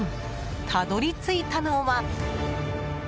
辿り着いたのは。